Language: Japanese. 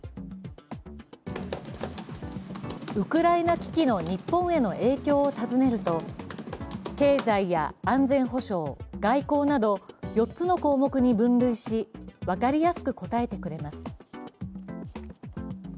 ウクライナ危機の日本への影響を尋ねると、経済や安全保障、外交など４つの項目に分類し分かりやすく答えてくれます。